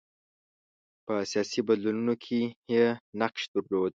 په سیاسي بدلونونو کې یې نقش درلود.